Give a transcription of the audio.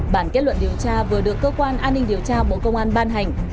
bản kết luận điều tra vừa được cơ quan an ninh điều tra bộ công an ban hành